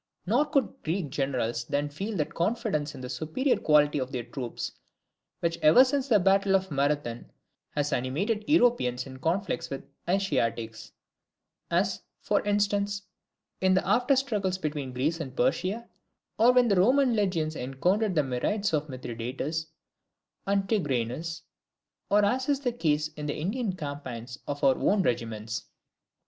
Nor could Greek generals then feel that confidence in the superior quality of their troops which ever since the battle of Marathon has animated Europeans in conflicts with Asiatics; as, for instance, in the after struggles between Greece and Persia, or when the Roman legions encountered the myriads of Mithridates and Tigranes, or as is the case in the Indian campaigns of our own regiments.